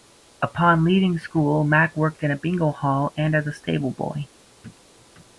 Upon leaving school, Mack worked in a bingo hall and as a stable boy.